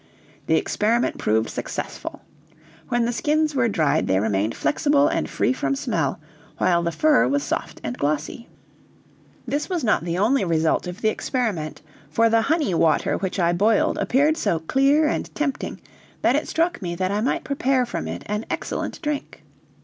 The experiment proved successful. When the skins were dried they remained flexible and free from smell, while the fur was soft and glossy. This was not the only result of the experiment, for the honey water which I boiled appeared so clear and tempting, that it struck me that I might prepare from it an excellent drink.